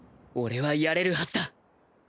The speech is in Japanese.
俺はやれるはずだ